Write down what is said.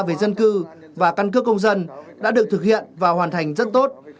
về dân cư và căn cước công dân đã được thực hiện và hoàn thành rất tốt